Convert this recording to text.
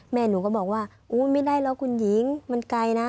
แม่หนูก็บอกว่าอุ๊ยไม่ได้แล้วคุณหญิงมันไกลนะ